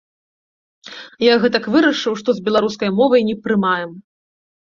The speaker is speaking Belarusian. Я гэтак вырашыў, што з беларускай мовай не прымаем.